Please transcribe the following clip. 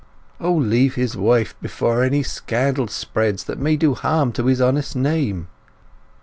O leave his wife before any scandal spreads that may do harm to his honest name!"